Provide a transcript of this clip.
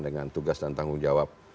dengan tugas dan tanggung jawab